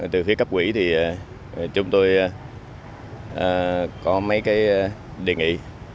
từ phía cấp quỹ thì chúng tôi có mấy cái đề nghị